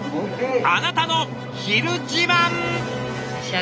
あなたの「ひる自慢」！